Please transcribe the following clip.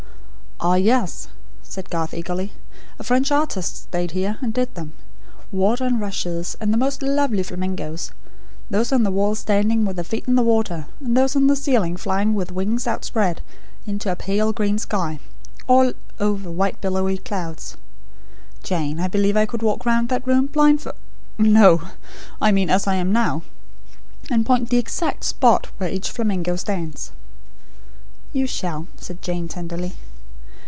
"Ah, yes," said Garth, eagerly. "A French artist stayed here, and did them. Water and rushes, and the most lovely flamingoes; those on the walls standing with their feet in the water; and those on the ceiling, flying with wings outspread, into a pale green sky, all over white billowy clouds. Jane, I believe I could walk round that room, blindfold no! I mean, as I am now; and point out the exact spot where each flamingo stands." "You shall," said Jane, tenderly.